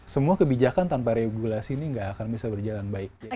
semua kebijakan tanpa regulasi ini nggak akan bisa berjalan baik